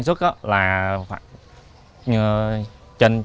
xuất đó là như trên trên hai mét vuông trong trong đó thì có lò phôi và chạy núm cái thu nhập